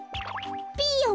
ピーヨン